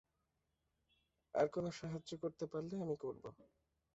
আর কোনো সাহায্য করতে পারলে, আমি করবো।